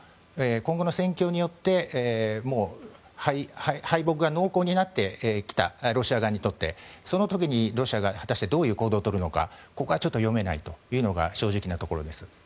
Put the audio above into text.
今後の戦況によってロシア側にとって敗北が濃厚になってきたらその時にロシアが果たしてどういう行動をとるのかここは読めないというのが正直なところです。